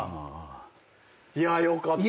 いやよかった。